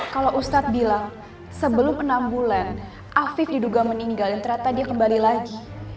kalau ustadz bilang sebelum enam bulan afif diduga meninggal dan ternyata dia kembali lagi